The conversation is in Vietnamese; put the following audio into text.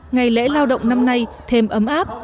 ngày lễ lao động năm nay thêm ấm áp